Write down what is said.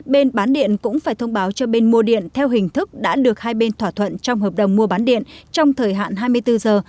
bên bán điện cũng phải thông báo cho bên mua điện theo hình thức đã được hai bên thỏa thuận trong hợp đồng mua bán điện trong thời hạn hai mươi bốn giờ